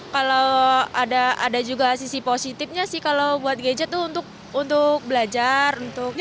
kalau ada juga sisi positifnya sih kalau buat gadget tuh untuk belajar